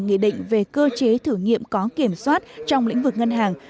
nghị định về cơ chế thử nghiệm có kiểm soát trong lĩnh vực ngân hàng